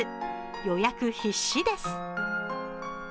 予約必至です。